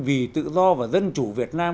vì tự do và dân chủ việt nam